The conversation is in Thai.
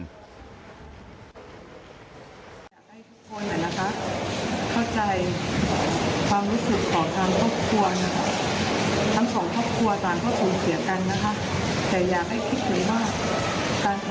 อยากให้ทุกคนเหมือนกันนะครับเข้าใจความรู้สึกของทางครอบครัวนะครับ